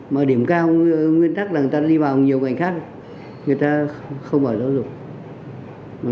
mà điểm cao nguyên tắc là người ta đi vào nhiều ngành khác người ta không ở đâu rồi